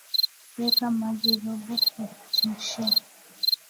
weka maji robo ya kuchemshia